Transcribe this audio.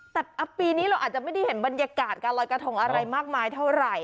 แต่ปีนี้เราอาจจะไม่ได้เห็นบรรยากาศการลอยกระทงอะไรมากมายเท่าไหร่